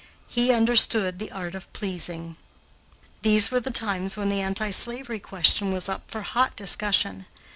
He understood the art of pleasing. These were the times when the anti slavery question was up for hot discussion.